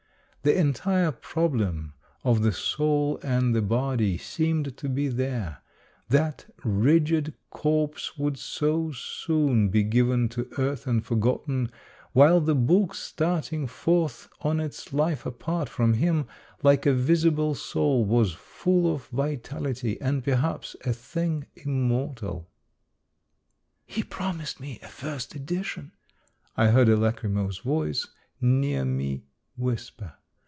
The entire problem of the soul and the body seemed to be there ; that rigid corpse would so soon be given to earth and forgotten, while the book, starting forth on its life apart from him, like a visible soul, was full of vitality, and perhaps — a thing immortal. " He promised me a first edition," I heard a lachrymose voice near me whisper.